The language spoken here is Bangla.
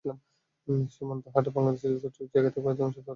সীমান্ত হাটের বাংলাদেশ অংশে যতটুকু জায়গা থাকে, ভারতীয় অংশেও ঠিক ততটুকুই থাকে।